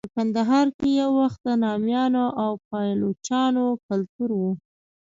په کندهار کې یو وخت د نامیانو او پایلوچانو کلتور و.